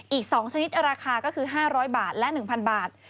อีก๒ชนิดราคาก็คือ๕๐๐บาทและ๑๐๐บาท